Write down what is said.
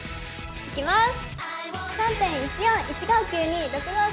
いきます！